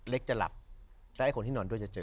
เล็กจะหลับและไอ้คนที่นอนด้วยจะเจอ